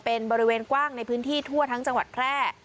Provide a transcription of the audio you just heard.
เป็นบริเวณกว้างในพื้นที่ทั่วทั้งจังหวัดแพร่